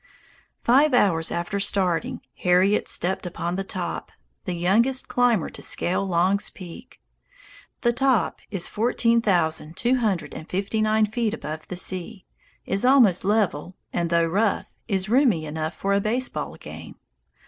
Five hours after starting, Harriet stepped upon the top, the youngest climber to scale Long's Peak. The top is fourteen thousand two hundred and fifty nine feet above the sea, is almost level, and, though rough, is roomy enough for a baseball game.